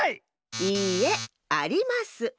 いいえあります。